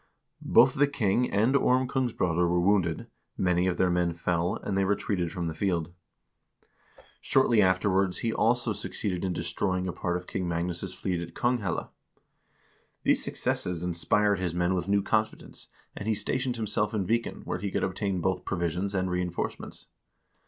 Both the king and Orm Kongs broder were wounded, many of their men fell, and they retreated from the field. Shortly afterwards he also succeeded in destroying a 1 Sverressaga, ch. 22. SVERRE SIGURDSSON AND THE BIRKEBEINER 381 part of King Magnus' fleet at Konghelle. These successes inspired his men with new confidence, and he stationed himself in Viken, where he could obtain both provisions and reenforcements.